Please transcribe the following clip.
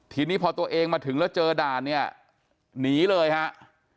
ทีนี้พอตัวเองมาถึงแล้วเจอด่านเนี่ยหนีเลยฮะ